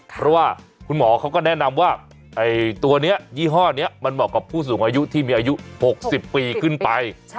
เพราะว่าคุณหมอเขาก็แนะนำว่าตัวนี้ยี่ห้อนี้มันเหมาะกับผู้สูงอายุที่มีอายุ๖๐ปีขึ้นไป